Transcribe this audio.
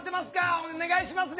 お願いしますね！